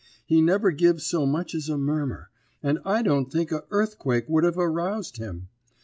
He never give so much as a murmur, and I don't think a earthquake would have roused him.